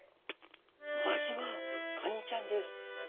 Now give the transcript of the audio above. お味はカニちゃんです。